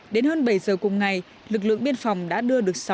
đến hơn bảy giờ cùng ngày lực lượng biên phòng đã đưa được sáu người dân